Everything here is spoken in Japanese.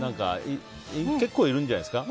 結構いるんじゃないですか。